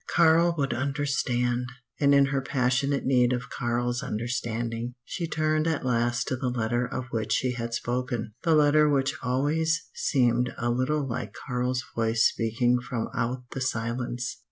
Karl would understand! and in her passionate need of Karl's understanding she turned at last to the letter of which she had spoken, the letter which always seemed a little like Karl's voice speaking from out the silence.